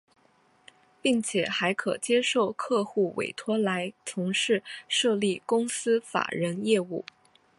并且还可接受客户委托来从事设立公司法人业务。